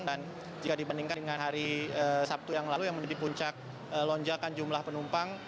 dan jika dibandingkan dengan hari sabtu yang lalu yang menjadi puncak lonjakan jumlah penumpang